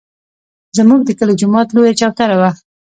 زموږ د کلي د جومات لویه چوتره وه.